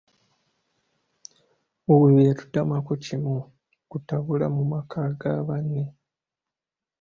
Oyo yatutamako kimu kutabula mu maka ga banne.